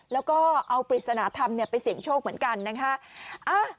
แล้วก็เอาปริศนธรรมไปเสี่ยงโชคเหมือนกันนะคะ